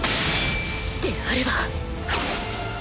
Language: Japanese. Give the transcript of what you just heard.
であれば